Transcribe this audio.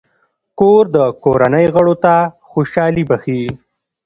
کور د کورنۍ غړو ته خوشحالي بښي.